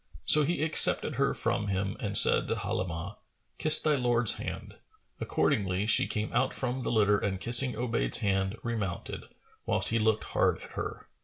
So he accepted her from him and said to Halimah, "Kiss thy lord's hand." Accordingly, she came out from the litter and kissing Obayd's hand, remounted, whilst he looked hard at her.